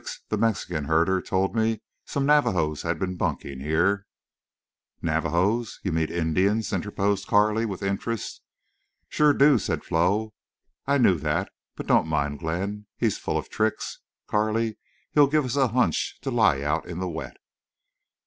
"Well, Felix, the Mexican herder, told me some Navajos had been bunking here." "Navajos? You mean Indians?" interposed Carley, with interest. "Shore do," said Flo. "I knew that. But don't mind Glenn. He's full of tricks, Carley. He'd give us a hunch to lie out in the wet."